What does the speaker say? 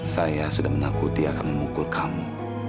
saya sudah menakuti akan memukul kamu